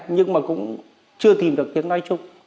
nhưng mà cũng chưa tìm được tiếng nói chung